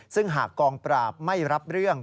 ซึ่งหากกองปราบไม่รับเรื่อง